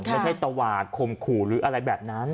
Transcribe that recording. ตวาดคมขู่หรืออะไรแบบนั้น